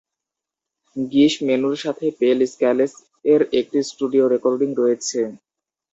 "গিশ" মেনুর সাথে "পেল স্ক্যালেস" এর একটি স্টুডিও রেকর্ডিং রয়েছে।